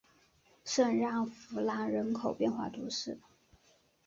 圣让夫兰人口变化图示